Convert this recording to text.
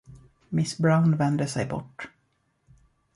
Miss Brown vände sig bort.